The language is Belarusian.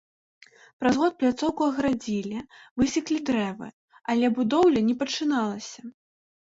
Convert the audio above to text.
Праз год пляцоўку агарадзілі, высеклі дрэвы, але будоўля не пачыналася.